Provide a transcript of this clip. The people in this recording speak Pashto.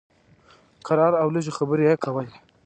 کرار او لږې خبرې یې کولې.